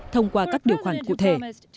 thông qua các điều khoản cụ thể